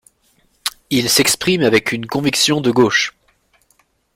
Il s'exprime avec une conviction de gauche.